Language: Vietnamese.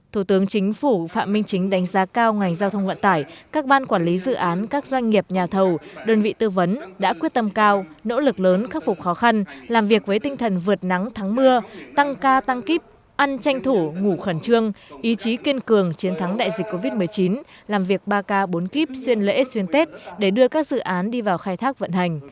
thủ tướng chính phủ phạm minh chính đánh giá cao ngành giao thông vận tải các ban quản lý dự án các doanh nghiệp nhà thầu đơn vị tư vấn đã quyết tâm cao nỗ lực lớn khắc phục khó khăn làm việc với tinh thần vượt nắng thắng mưa tăng ca tăng kíp ăn tranh thủ ngủ khẩn trương ý chí kiên cường chiến thắng đại dịch covid một mươi chín làm việc ba ca bốn kíp xuyên lễ xuyên tết để đưa các dự án đi vào khai thác vận hành